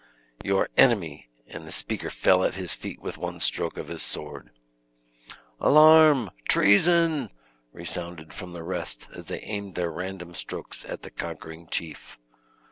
"Your enemy;" and the speaker fell at his feet with one stroke of his sword. "Alarm! treason!" resounded from the rest as they aimed their random strokes at the conquering chief.